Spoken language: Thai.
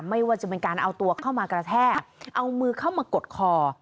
ไม่ว่าจะเป็นการเอาตัวเข้ามากระแทกเอามือเข้ามากดคอ